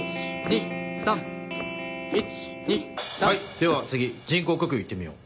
では次人工呼吸行ってみよう。